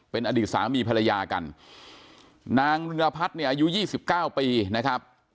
เป็นอดีตสามีภรรยากันนางรุณพัฒน์เนี่ยอายุ๒๙ปีนะครับ